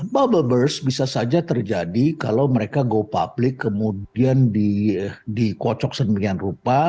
bubble burst bisa saja terjadi kalau mereka go public kemudian dikocok semikian rupa